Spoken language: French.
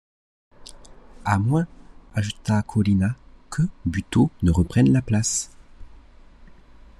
À moins, ajouta Cœlina, que Buteau ne reprenne la place...